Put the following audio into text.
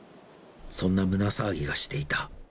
そんな胸騒ぎがしていた。